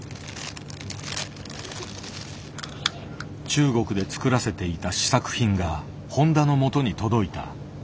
中国で作らせていた試作品が誉田のもとに届いた。